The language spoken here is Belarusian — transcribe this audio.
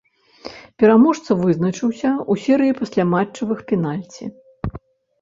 Пераможца вызначыўся ў серыі пасляматчавых пенальці.